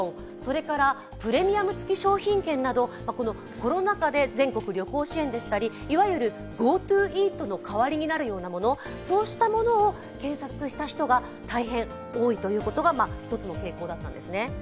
コロナ禍で全国旅行支援でしたり、いわゆるＧｏＴｏイートの代わりになるようなものそうしたものを検索した人が大変多いというのが傾向だったんですね。